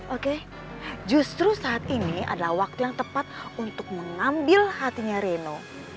oke justru saat ini adalah waktu yang tepat untuk mengambil hatinya reno